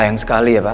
sayang sekali ya pak